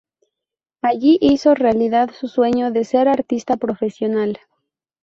Allí hizo realidad su sueño de ser artista profesional.